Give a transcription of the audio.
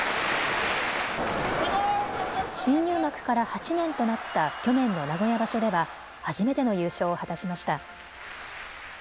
新入幕から８年となった去年の名古屋場所では初めての優勝を果たしました。